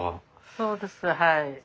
そうですはい。